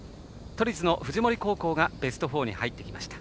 都立の富士森高校がベスト４に入ってきました。